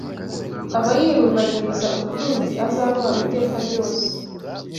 aba yirundanyiriza ubutunzi azahorana iteka ryose